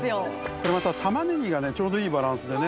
これまた玉ねぎがねちょうどいいバランスでね